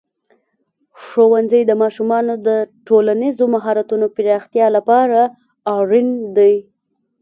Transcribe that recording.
ښوونځی د ماشومانو د ټولنیزو مهارتونو پراختیا لپاره اړین دی.